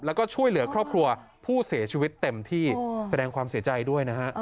แล้วก็ช่วยเหลือครอบครัวผู้เสียชีวิตเต็มที่แสดงความเสียใจด้วยนะฮะ